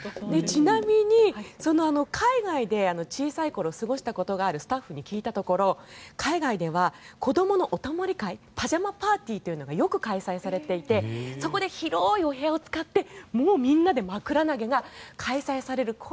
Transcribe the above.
ちなみに、海外で小さい頃、過ごしたことがあるスタッフに聞いたところ海外では子どものお泊まり会パジャマパーティーというのがよく開催されていてそこで広いお部屋を使ってみんなで枕投げが開催される